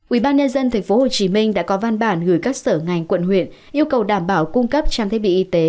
ubnd tp hcm đã có văn bản gửi các sở ngành quận huyện yêu cầu đảm bảo cung cấp trang thiết bị y tế